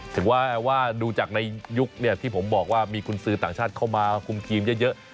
ถึงว่าดูจากในยุคที่ผมบอกว่ามีกุญสือต่างชาติเข้ามาคุมทีมเยอะ